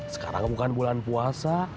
sekarang bukan bulan puasa